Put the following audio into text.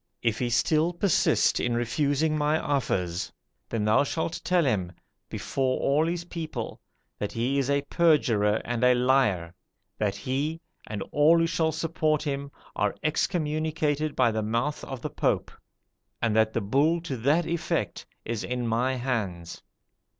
If he still persist in refusing my offers, then thou shalt tell him, before all his people, that he is a perjurer and a liar; that he, and all who shall support him, are excommunicated by the mouth of the Pope; and that the bull to that effect is in my hands.'